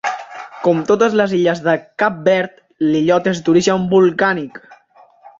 Com totes les illes de Cap Verd, l'illot és d'origen volcànic.